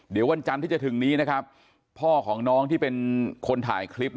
เดี๋ยววันจันทร์ที่จะถึงนี้นะครับพ่อของน้องที่เป็นคนถ่ายคลิป